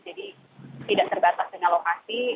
jadi tidak terbatas dengan lokasi